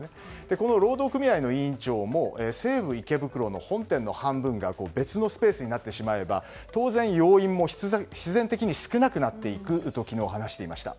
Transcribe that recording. この労働組合の委員長も西武池袋の本店の半分が別のスペースになってしまえば当然、要員も必然的に少なくなっていくと昨日話していました。